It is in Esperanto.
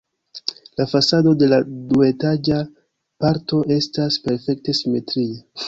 La fasado de la duetaĝa parto estas perfekte simetria.